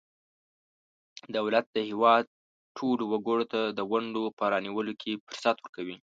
دولت د هیواد ټولو وګړو ته د ونډو په رانیولو کې فرصت ورکوي.